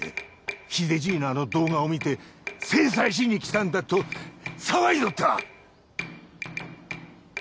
秀じいのあの動画を見て制裁しに来たんだと騒いどった。